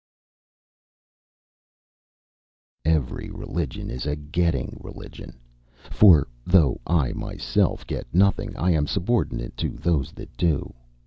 "Every religion is a getting religion; for though I myself get nothing, I am subordinate to those that do.